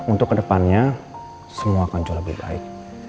untuk kedepannya semua akan jauh lebih baik